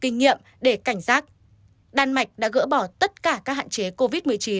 kinh nghiệm để cảnh giác đan mạch đã gỡ bỏ tất cả các hạn chế covid một mươi chín